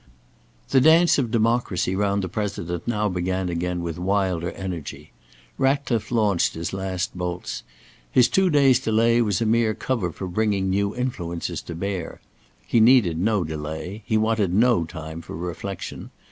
The dance of democracy round the President now began again with wilder energy. Ratcliffe launched his last bolts. His two days' delay was a mere cover for bringing new influences to bear. He needed no delay. He wanted no time for reflection.